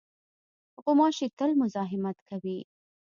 غوماشې تل مزاحمت کوي.